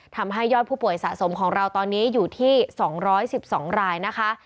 ทำให้ยอดผู้ป่วยสะสมของเราตอนนี้อยู่ที่๒๑๒รายนะคะ